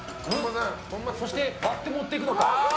そして、割って持っていくのか？